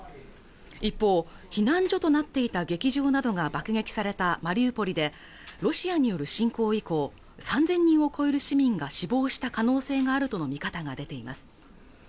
一方、避難所となっていた劇場などが爆撃されたマリウポリでロシアによる侵攻以降３０００人を超える市民が死亡した可能性があるとの見方が出ています